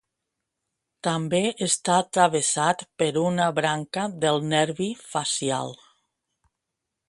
També està travessat per una branca del nervi facial.